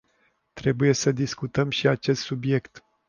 Trebuie să discutăm și acest subiect.